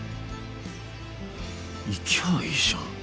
行きゃあいいじゃん。